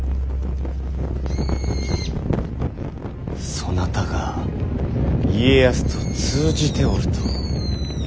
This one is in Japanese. そなたが家康と通じておると。